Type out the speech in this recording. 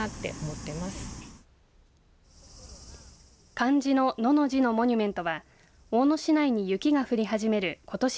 漢字の野の文字のモニュメントは大野市内に雪が降り始めることし